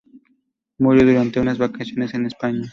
Murió durante unas vacaciones en España.